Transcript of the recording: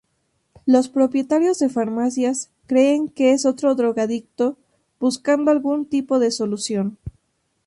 Los propietarios de farmacias creen que es otro drogadicto, buscando algún tipo de solución.